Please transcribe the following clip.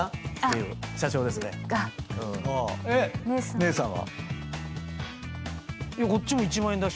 兄さんは？